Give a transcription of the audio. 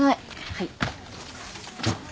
はい。